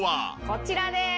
こちらです！